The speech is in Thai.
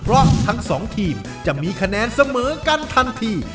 และสองทีมจะมีคะแนนเสมอกันทันที